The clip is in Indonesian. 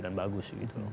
dan bagus gitu loh